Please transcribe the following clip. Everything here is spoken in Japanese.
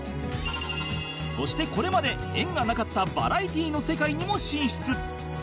そしてこれまで縁がなかったバラエティの世界にも進出